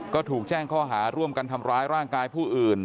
ก็ถูกแจ้งข้อหาร่วมกันทำร้ายร่างกายผู้อื่น